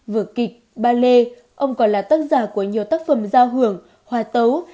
vừa kịch ballet ông còn là tác giả của nhiều tác phẩm giao hưởng hòa tấu